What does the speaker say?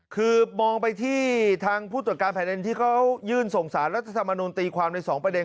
คือมองไปที่ทางผู้ตรวจการแผ่นดินที่เขายื่นส่งสารรัฐธรรมนุนตีความในสองประเด็น